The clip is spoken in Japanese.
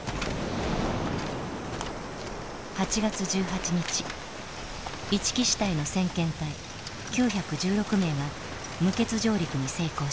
８月１８日一木支隊の先遣隊９１６名が無血上陸に成功した。